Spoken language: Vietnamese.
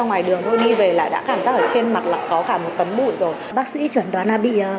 ngoài đường thôi đi về là đã cảm giác ở trên mặt là có cả một tấm bụi rồi bác sĩ chuẩn đoán là bị